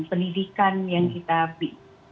pendidikan yang kita bikin